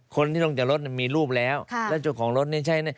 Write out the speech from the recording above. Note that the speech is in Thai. คนที่ลงจากรถมีรูปแล้วแล้วเจ้าของรถนี่ใช้